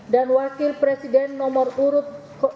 dan wakil presiden nomor urut dua